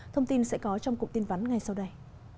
thông tin sẽ có trong cụm tin vắn ngay sau đây